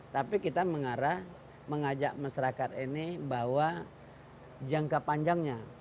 tapi kita mengarah mengajak masyarakat ini bahwa jangka panjangnya